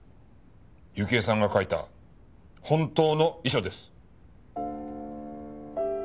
幸恵さんが書いた本当の遺書です。